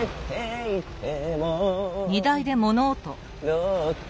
「どうか」